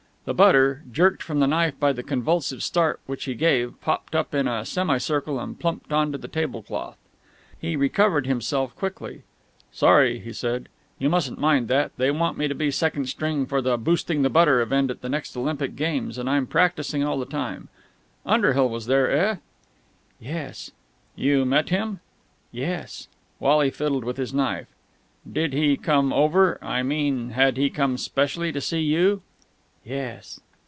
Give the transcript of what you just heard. The butter, jerked from the knife by the convulsive start which he gave, popped up in a semi circle and plumped on to the tablecloth. He recovered himself quickly. "Sorry!" he said. "You mustn't mind that. They want me to be second string for the "Boosting the Butter" event at the next Olympic Games, and I'm practising all the time.... Underhill was there, eh?" "Yes." "You met him?" "Yes." Wally fiddled with his knife. "Did he come over.... I mean ... had he come specially to see you?" "Yes."